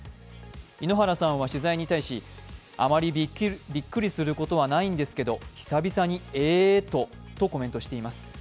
井ノ原さんは取材に対し、あまりびっくりすることはないんですけど、久々に「えっ」と、とコメントしています。